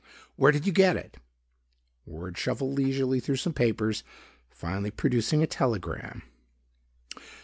Where did you get it?" Ward shuffled leisurely through some papers, finally producing a telegram.